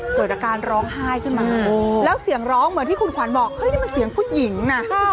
เกิดอาการร้องไห้ขึ้นมาแล้วเสียงร้องเหมือนที่คุณขวัญบอกเฮ้ยนี่มันเสียงผู้หญิงนะ